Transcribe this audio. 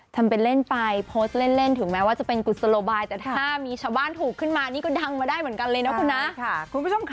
ทำเป็นเล่นไปโพสต์เล่นถึงแม้ว่าจะเป็นกุศโลบายแต่ถ้ามีชาวบ้านถูกขึ้นมานี่ก็ดังมาได้เหมือนกันเลยนะคุณนะคุณผู้ชมค่ะ